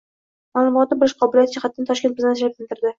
Maʼlumotni bilish qobiliyati jihatidan Toshkent bizni ajablantirdi.